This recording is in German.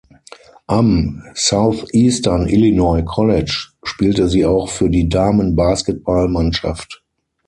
Am Southeastern Illinois College, spielte sie auch für die Damen-Basketball Mannschaft.